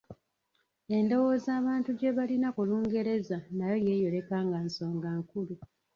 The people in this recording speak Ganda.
Endowooza abantu gye balina ku Lungereza nayo yeeyoleka nga nsonga nkulu.